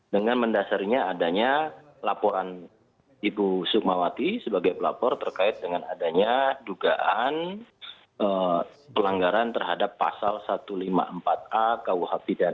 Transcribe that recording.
dengan mendasarinya adanya laporan ibu sukmawati sebagai pelapor terkait dengan adanya dugaan pelanggaran terhadap pasal satu ratus lima puluh empat a kuhp dan